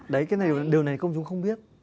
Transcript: đấy cái này đều này công chúng không biết